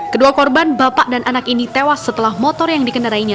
kedua korban bapak dan anak ini tewas setelah motor yang dikendarainya